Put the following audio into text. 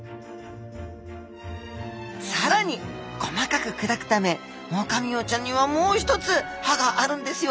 更に細かく砕くためオオカミウオちゃんにはもう一つ歯があるんですよ。